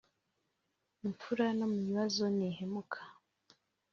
imfura no mu bibazo ntihemuka